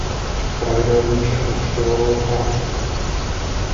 Pravidelně však navštěvoval Prahu.